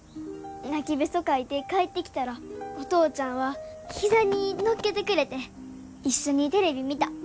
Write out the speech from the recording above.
・泣きべそかいて帰ってきたらお父ちゃんは膝に乗っけてくれて一緒にテレビ見た。